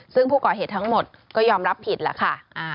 ซึ่งผู้ก่อเหตุทั้งหมดก็ยอมรับผิดแหละค่ะ